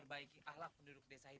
saya harus diperbaiki